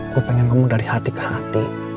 gue pengen ngomong dari hati ke hati